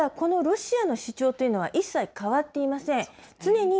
ただ、このロシアの主張というのは、一切変わっていません。